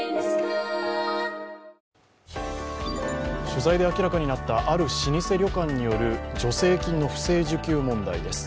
取材で明らかになったある老舗旅館による助成金の不正受給問題です。